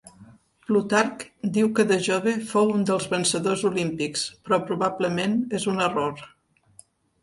Plutarc diu que de jove fou un dels vencedors olímpics, però probablement és un error.